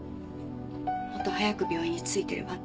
もっと早く病院に着いてればって。